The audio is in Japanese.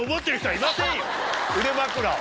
腕枕を。